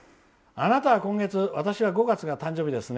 あなたは今月私は５月が誕生日です。